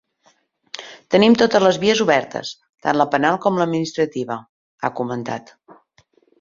Tenim totes les vies obertes, tant la penal com l’administrativa, ha comentat.